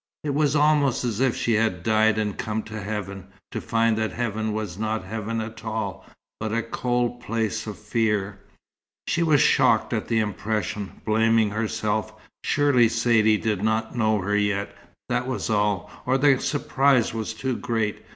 It was almost as if she had died and come to Heaven, to find that Heaven was not Heaven at all, but a cold place of fear. She was shocked at the impression, blaming herself. Surely Saidee did not know her yet, that was all; or the surprise was too great.